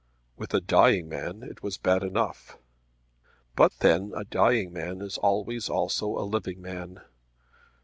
With a dying man it was bad enough; but then a dying man is always also a living man!